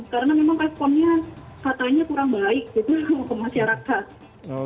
karena memang responnya katanya kurang baik gitu ke masyarakat